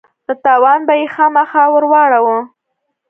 نو تاوان به يې خامخا وراړاوه.